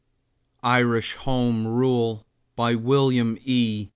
IRISH HOME RULE WILLIAM E.